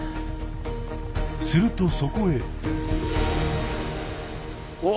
するとそこへ。